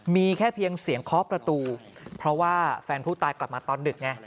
มีแค่เพียงเสียงเคาะประตูเพราะว่าแฟนผู้ตายกลับมาตอนดึกไง